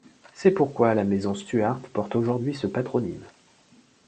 C'est pourquoi la maison Stuart porte aujourd'hui ce patronyme.